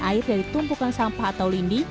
air dari tumpukan sampah atau lindi